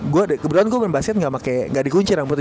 gue kebetulan gue main basket gak dikunci rambutnya